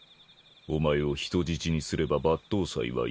お前を人質にすれば抜刀斎は怒る。